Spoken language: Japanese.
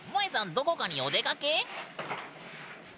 どこかにお出かけ？